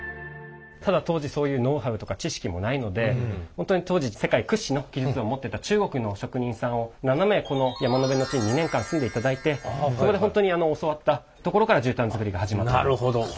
ただ当時そういうノウハウとか知識もないので本当に当時世界屈指の技術を持ってた中国の職人さんを７名この山辺の地に２年間住んでいただいてそこで本当に教わったところから絨毯づくりが始まった。